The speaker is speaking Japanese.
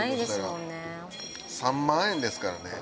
３万円ですからね。